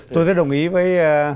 tôi rất đồng ý với